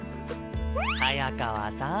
早川さん？